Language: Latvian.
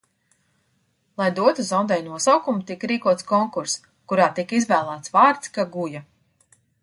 Lai dotu zondei nosaukumu, tika rīkots konkurss, kurā tika izvēlēts vārds Kaguja.